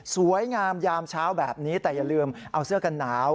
งามยามเช้าแบบนี้แต่อย่าลืมเอาเสื้อกันหนาว